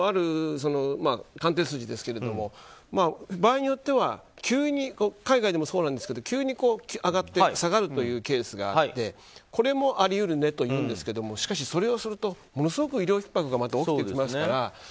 官邸筋ですけども場合によっては海外でもそうですが急に上がって下がるケースがあってこれもあり得るねというんですがしかし、それをするとものすごく医療ひっ迫がまた起きてきますから。